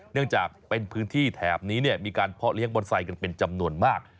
เนื่องจากเป็นพื้นที่แถบนี้มีการเพาะเลี้ยบอนไซค์กันเป็นจำนวนมาก